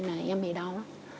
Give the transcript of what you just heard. em bị đau lắm